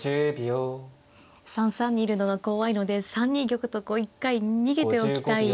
３三にいるのが怖いので３二玉と一回逃げておきたい。